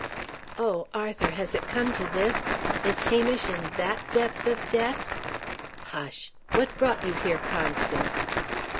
"Oh, Arthur, has it come to this? Is Hamish in that depth of debt!" "Hush! What brought you here, Constance?"